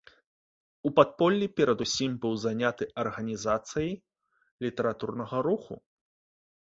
У падполлі перадусім быў заняты арганізацыяй літаратурнага руху.